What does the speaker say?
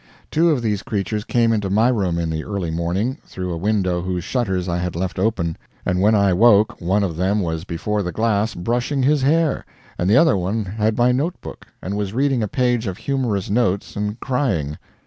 Two of these creatures came into my room in the early morning, through a window whose shutters I had left open, and when I woke one of them was before the glass brushing his hair, and the other one had my note book, and was reading a page of humorous notes and crying.